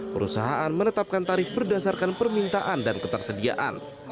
perusahaan menetapkan tarif berdasarkan permintaan dan ketersediaan